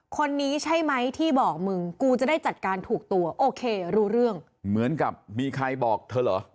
คนนี้ใช่ไหมที่บอกมึงกูจะได้จัดการถูกตัวโอเครู้เรื่องเหมือนกับมีใครบอกเธอเหรอ